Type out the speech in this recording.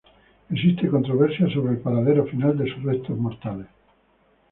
Existe controversia sobre el paradero final de sus restos mortales.